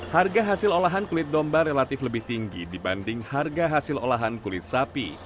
harga hasil olahan kulit domba relatif lebih tinggi dibanding harga hasil olahan kulit sapi